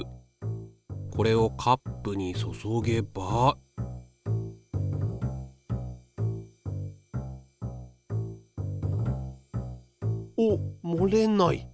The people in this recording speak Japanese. これをカップに注げばおっもれない！